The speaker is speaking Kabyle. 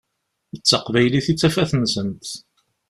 D taqbaylit i d tafat-nsent.